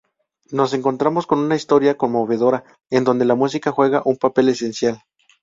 Nos encontramos con una historia conmovedora, en donde la música juega un papel esencial.